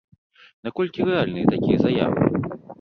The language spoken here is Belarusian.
Наколькі рэальныя такія заявы?